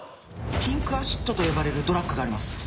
ピンクアシッドと呼ばれるドラッグがあります。